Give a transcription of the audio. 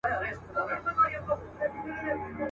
ږغونه ورک دي د ماشومانو.